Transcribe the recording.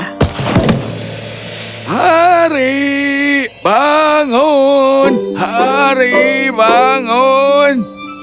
harry bangun harry bangun